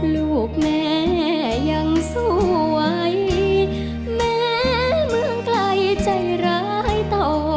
ลูกแม่ยังสู้ไว้แม้เมืองไกลใจร้ายต่อ